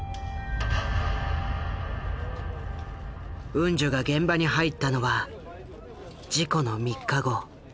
ウンジュが現場に入ったのは事故の３日後。